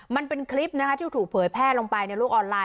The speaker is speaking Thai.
มันเป็นคลิปนะคะที่ถูกเผยแพร่ลงไปในโลกออนไลน